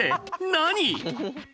何？